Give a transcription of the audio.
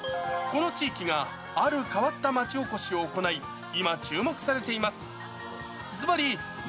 この地域が、ある変わった町おこしを行い、今、注目されています。